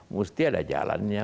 mesti ada jalannya